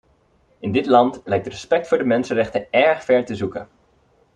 In dit land lijkt respect voor de mensenrechten erg ver te zoeken.